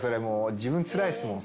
自分つらいっすもん。